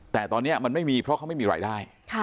แต่ตอนนี้มันไม่มีเพราะเขาไม่มีรายได้